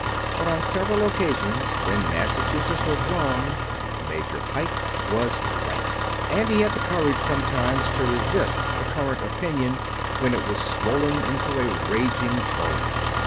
But on several occasions, when Massachusetts was wrong, Major Pike was right; and he had the courage sometimes to resist the current of opinion when it was swollen into a raging torrent.